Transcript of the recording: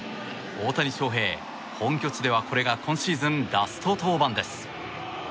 大谷翔平、本拠地ではこれが今シーズンラスト登板です。